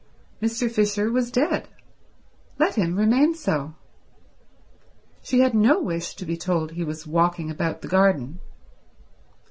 Mr. Fisher was dead; let him remain so. She had no wish to be told he was walking about the garden.